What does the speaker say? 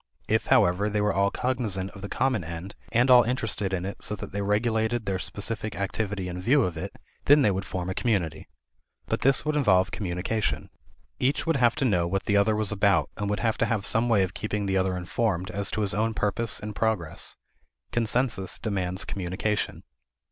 If, however, they were all cognizant of the common end and all interested in it so that they regulated their specific activity in view of it, then they would form a community. But this would involve communication. Each would have to know what the other was about and would have to have some way of keeping the other informed as to his own purpose and progress. Consensus demands communication.